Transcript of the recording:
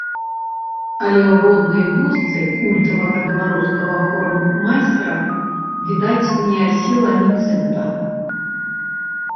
Але ў роднай вёсцы культавага беларускага хормайстра, відаць, не асела ні цэнта.